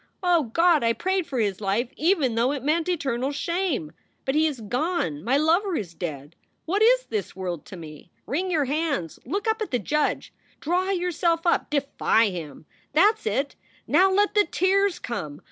O God! I prayed for his life even though it meant eternal shame! But he is gone! My lover is dead! What is this world to me ! Wring your hands ! Look up at the judge ! Draw yourself up ! Defy him ! That s it ! Now let the tears come!